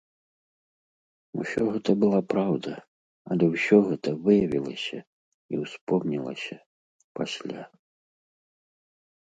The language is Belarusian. Усё гэта была праўда, але ўсё гэта выявілася і ўспомнілася пасля.